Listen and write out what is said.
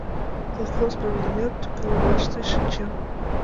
Колхоз правленият тӱкылымаште шинчен.